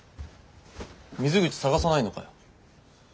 水口捜さないのかよ。